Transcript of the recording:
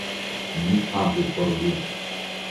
Mi agu por vi.